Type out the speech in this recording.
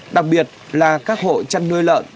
đặc biệt là các hộ chăn nuôi lợn